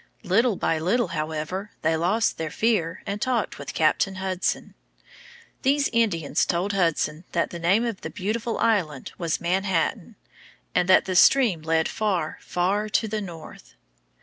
Little by little, however, they lost their fear and talked with Captain Hudson. These Indians told Hudson that the name of the beautiful island was Manhattan, and that the stream led far, far to the north.